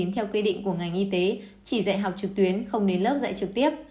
theo quy định của ngành y tế chỉ dạy học trực tuyến không đến lớp dạy trực tiếp